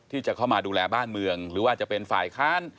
ที่จะเข้ามาดูแลบ้านเมืองหรือว่าจะเป็นฝ่ายค้าน